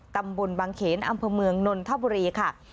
ตำบลบางเขนอำเภอเมืองนนทบุรีค่ะ